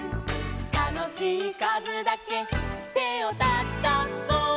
「たのしいかずだけてをたたこ」